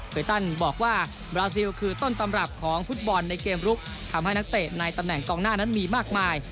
โดยตันบอกว่าบราซิลคือต้นตำรับของฟุตบอลในเกมลุกทำให้นักเตะในตำแหน่งกองหน้านั้นมีมากมาย